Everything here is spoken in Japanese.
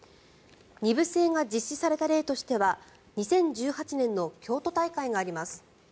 ２部制が実施された例としては２０１８年の京都大会があります。